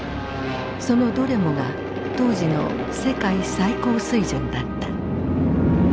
そのどれもが当時の世界最高水準だった。